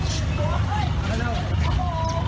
โชว์